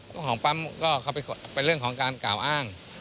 ของปั๊มก็เขาเป็นเรื่องของการกล่าวอ้าง